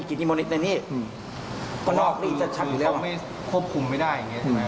ควบคุมไม่ได้